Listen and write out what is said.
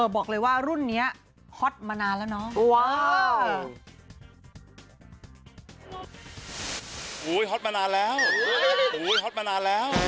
บอกเลยว่ารุ่นนี้ฮอตมานานแล้วเนาะ